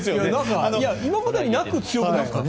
今までになく強くないですか？